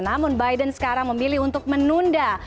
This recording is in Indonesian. namun biden sekarang memilih untuk menunda